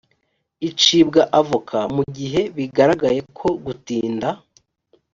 icibwa avoka mu gihe bigaragaye ko gutinda